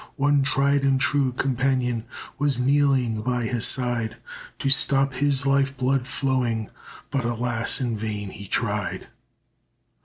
One tried and true companion Was kneeling by his side, To stop his life blood flowing, But alas, in vain he tried.